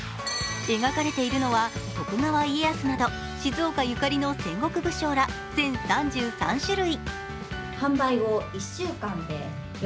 描かれているのは、徳川家康など静岡ゆかりの戦国武将ら全３３種類。